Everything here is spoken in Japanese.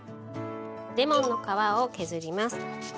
レモンの皮を削ります。